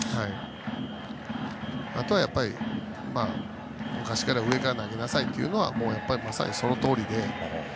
あとは、やっぱり昔から上から投げなさいというのはまさにそのとおりで。